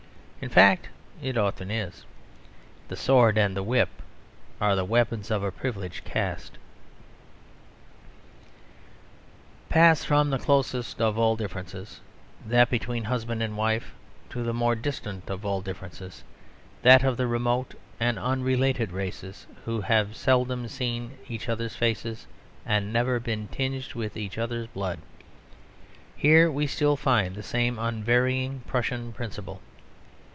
In fact, it often is. The sword and the whip are the weapons of a privileged caste. Pass from the closest of all differences, that between husband and wife, to the most distant of all differences, that of the remote and unrelated races who have seldom seen each other's faces, and never been tinged with each other's blood. Here we still find the same unvarying Prussian principle.